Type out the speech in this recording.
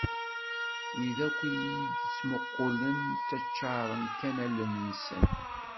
Wid akk iyi-d-ittmuqulen ttaččaren kan allen-nsen.